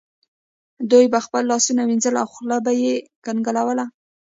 دوی به خپل لاسونه وینځل او خوله به یې کنګالوله.